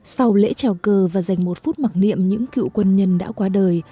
sau lễ trào cờ và dành một phút mặc niệm những cựu quân nhân đã qua đời